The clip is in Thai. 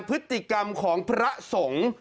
พฤติกรรมของพระสงฆ์